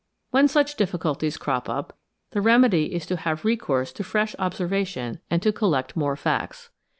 When such difficulties crop up, the remedy is to have recourse to fresh observation and to collect more facts.